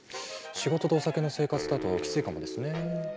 仕事とお酒の生活だとキツいかもですねえ。